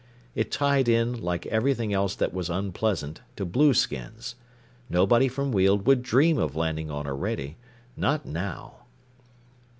It tied in, like everything else that was unpleasant, to blueskins. Nobody from Weald would dream of landing on Orede! Not now!